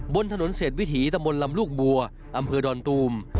บนถนนเศษวิถีตะมนต์ลำลูกบัวอำเภอดอนตูม